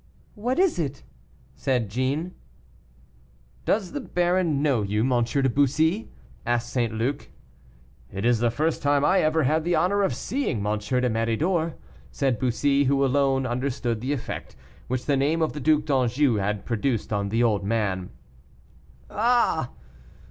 "What is it?" said Jeanne. "Does the baron know you, M. de Bussy?" asked St. Luc. "It is the first time I ever had the honor of seeing M. de Méridor," said Bussy, who alone understood the effect which the name of the Duc d'Anjou had produced on the old man. "Ah!